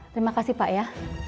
terima kasih pak ya